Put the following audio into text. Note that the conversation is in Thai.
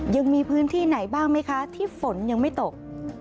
ยังมีพื้นที่ไหนบ้างไหมคะที่ฝนยังไม่ตก